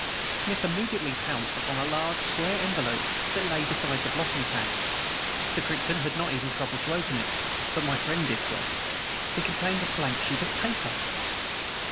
Smith immediately pounced upon a large, square envelope that lay beside the blotting pad. Sir Crichton had not even troubled to open it, but my friend did so. It contained a blank sheet of paper!